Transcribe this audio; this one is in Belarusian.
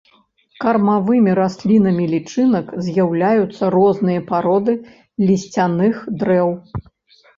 Кармавымі раслінамі лічынак з'яўляюцца розныя пароды лісцяных дрэў.